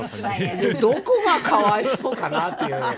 どこがかわいそうかな？という。